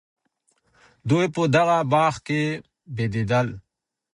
دوی په دغه باغ کي بېدېدل.